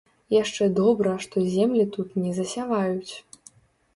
Яшчэ добра, што землі тут не засяваюць.